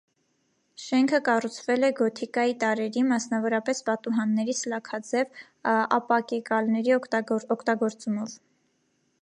Շենքը կառուցվել է գոթիկայի տարրերի, մասնավորապես՝ պատուհանների սլաքաձև ապակեկալների օգտագործումով։